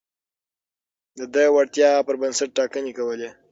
ده د وړتيا پر بنسټ ټاکنې کولې.